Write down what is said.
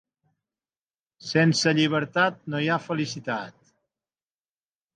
Sense llibertat no hi ha felicitat.